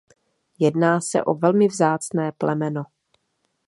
Jedná se o velmi vzácné plemeno.